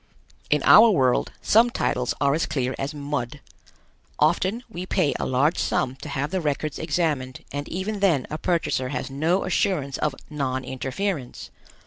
In our world some titles are as clear as mud. Often we pay a large sum to have the records examined and even then a purchaser has no assurance of non interference.